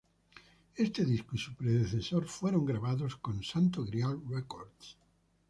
Este disco y su predecesor fueron grabados con Santo Grial Records.